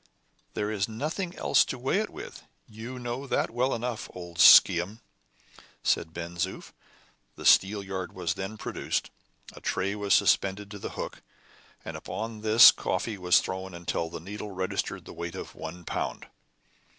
"There is nothing else to weigh it with; you know that well enough, old Shechem," said Ben Zoof. The steelyard was then produced; a tray was suspended to the hook, and upon this coffee was thrown until the needle registered the weight of one pound.